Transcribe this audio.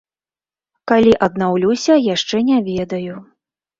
Калі аднаўлюся, яшчэ не ведаю.